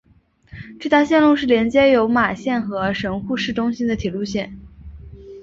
这条线路是连接有马线和神户市中心的铁路线。